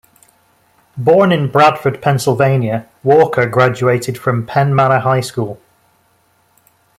Born in Bradford, Pennsylvania, Walker graduated from Penn Manor High School.